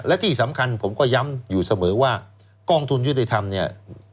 และที่สำคัญผมก็ย้ำอยู่เสมอว่ากองทุนยุติธรรมเนี่ย